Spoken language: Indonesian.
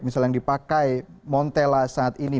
misalnya yang dipakai montella saat ini